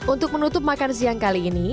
untuk menutup makan siang kali ini